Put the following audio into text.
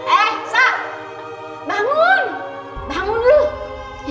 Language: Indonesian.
eh sa bangun bangun dulu